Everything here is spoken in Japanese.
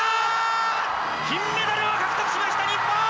金メダルを獲得しました日本！